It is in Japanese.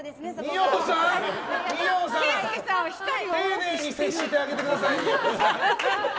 二葉さん、丁寧に接してあげてください！